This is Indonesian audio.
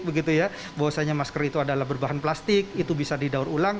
bahwasannya masker itu adalah berbahan plastik itu bisa didaur ulang